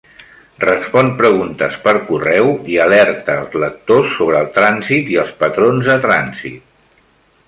Respon preguntes per correu i alerta els lectors sobre el trànsit i els patrons de trànsit.